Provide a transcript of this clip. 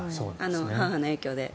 母の影響で。